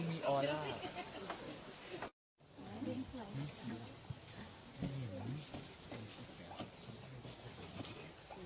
ไม่คิดว่าจะรับรับได้